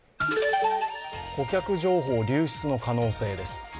顧客情報流出の可能性です。